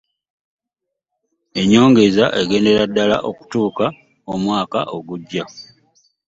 Ennyongeza egendera ddala okutuusa omwaka ogujja.